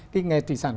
cái nghề thủy sản